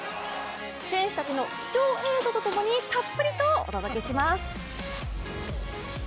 選手たちの貴重映像とともにたっぷりとお届けします！